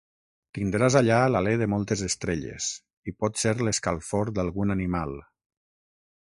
Tindràs allà l'alè de moltes estrelles, i potser l'escalfor d'algun animal.